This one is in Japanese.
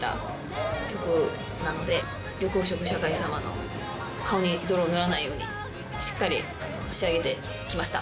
緑黄色社会様の顔に泥を塗らないようにしっかり仕上げて来ました。